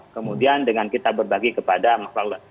kemudian dengan kita berbagi kepada mahluk allah